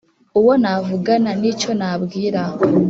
uwo navugana n'icyo nabwira,